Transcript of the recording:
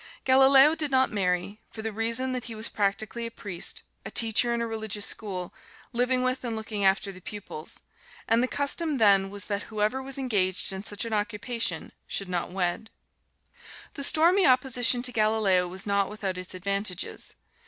Galileo did not marry, for the reason that he was practically a priest, a teacher in a religious school, living with and looking after the pupils; and the custom then was that whoever was engaged in such an occupation should not wed. The stormy opposition to Galileo was not without its advantages.